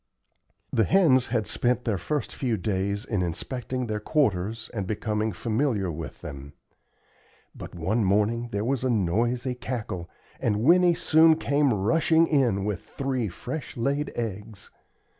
The hens had spent their first few days in inspecting their quarters and becoming familiar with them; but one morning there was a noisy cackle, and Winnie soon came rushing in with three fresh laid eggs.